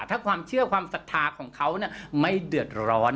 ถ้าความเชื่อความศรัทธาของเขาไม่เดือดร้อน